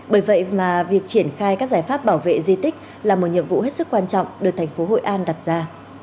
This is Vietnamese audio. bởi vậy mà việc triển khai các giải pháp bảo vệ di tích là một nhiệm vụ hết sức quan trọng được thành phố hội an đặt ra